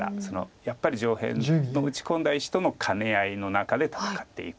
やっぱり上辺の打ち込んだ石との兼ね合いの中で戦っていく。